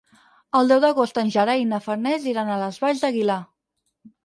El deu d'agost en Gerai i na Farners iran a les Valls d'Aguilar.